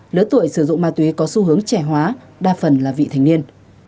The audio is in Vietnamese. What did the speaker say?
lứa tuổi sử dụng ma túy có xu hướng trẻ hóa đa phần là vị thành niên